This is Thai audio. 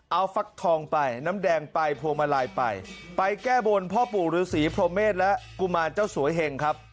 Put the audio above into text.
เอาฟักทองไปน้ำแดงไปพวงมาลัยไปไปแก้บนพ่อปู่ฤษีพรหมเมษและกุมารเจ้าสวยเห็งครับ